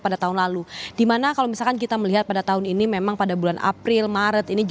pada tahun lalu dimana kalau misalkan kita melihat pada tahun ini memang pada bulan april maret ini